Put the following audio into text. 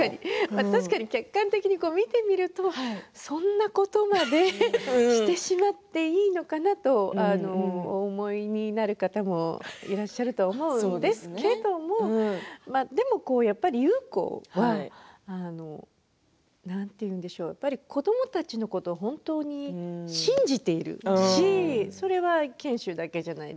確かに客観的に見てみるとそんなことまでしてしまっていいのかなとお思いになる方もいらっしゃると思うんですけどもでもやっぱり優子は何て言うんでしょう子どもたちのことを本当に信じているしそれは賢秀だけじゃない。